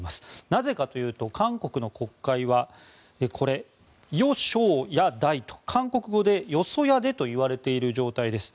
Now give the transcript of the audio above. なぜかというと韓国の国会は与小野大韓国語でヨソヤデと言われている状態です。